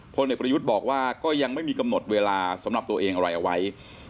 พลเอกประยุทธ์บอกว่าก็ยังไม่มีกำหนดเวลาสำหรับตัวเองอะไรเอาไว้